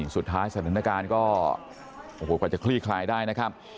สุดท้ายสถานการณ์ก็กว่าจะคลี่คลายได้นะครับ